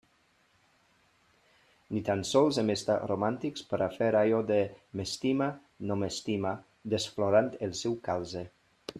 Ni tan sols hem estat romàntics per a fer allò de «m'estima, no m'estima» desflorant el seu calze.